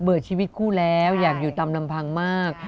ชีวิตคู่แล้วอยากอยู่ตามลำพังมาก